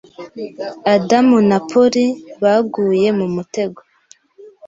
Adam na Polly baguye mu mutego